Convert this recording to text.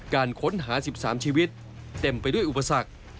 การค้นหา๑๓ชีวิตเต็มไปด้วยอุปสรรค